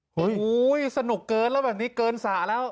โอ้โหสนุกเกินแล้วแบบนี้เกินสระแล้ว